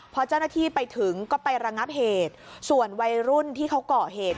พอเจ้าหน้าที่ไปถึงก็ไประงับเหตุส่วนวัยรุ่นที่เขาก่อเหตุ